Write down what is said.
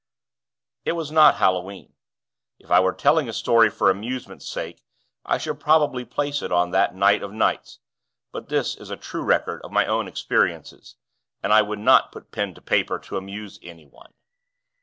It was not Halloween. If I were telling a story for amusement's sake, I should probably place it on that night of nights; but this is a true record of my own experiences, and I would not put pen to paper to amuse anyone.